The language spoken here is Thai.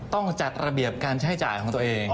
ต้องจัดระเบียบการใช้จ่ายของตัวเอง